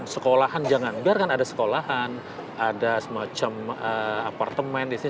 sekolahan jangan biarkan ada sekolahan ada semacam apartemen di sini